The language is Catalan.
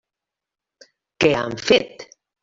Què han fet?